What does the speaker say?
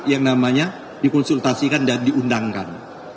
yang namanya dikonsultasikan dan diundangkan